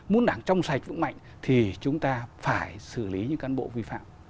muốn đảng trong sạch vững mạnh thì chúng ta phải xử lý những cán bộ vi phạm